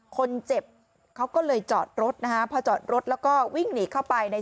คนเจ็บเขาก็เลยจอดรถนะฮะพอจอดรถแล้วก็วิ่งหนีเข้าไปใน